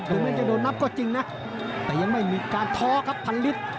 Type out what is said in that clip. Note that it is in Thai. แม้จะโดนนับก็จริงนะแต่ยังไม่มีการท้อครับพันลิตร